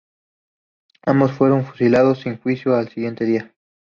Ambos fueron fusilados sin juicio al siguiente día.